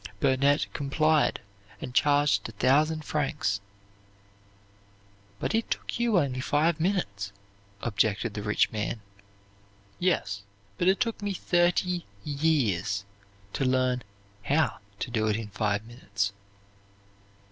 Burnett complied and charged a thousand francs. "But it took you only five minutes," objected the rich man. "Yes, but it took me thirty years to learn how to do it in five minutes."